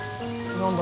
何だ？